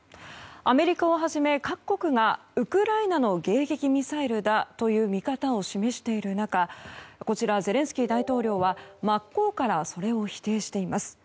アメリカをはじめ各国がウクライナの迎撃ミサイルだという見方を示している中ゼレンスキー大統領は真っ向からそれを否定しています。